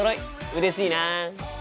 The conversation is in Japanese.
うれしいな。